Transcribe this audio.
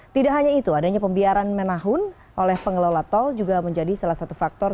tidak hanya itu adanya pembiaran menahun oleh pengelola tol juga menjadi salah satu faktor